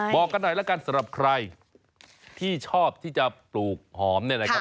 บอกกันหน่อยแล้วกันสำหรับใครที่ชอบที่จะปลูกหอมเนี่ยนะครับ